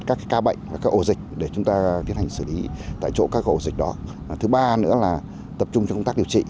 các ca bệnh và các ổ dịch để chúng ta tiến hành xử lý tại chỗ các ổ dịch đó thứ ba nữa là tập trung trong công tác điều trị